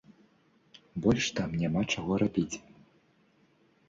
Больш там няма чаго рабіць.